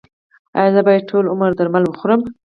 ایا زه باید ټول عمر درمل وخورم؟